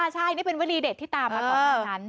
ใช่นี่เป็นวลีเด็ดที่ตามมาก่อนหน้านั้น